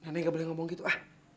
nenek gak boleh ngomong gitu ah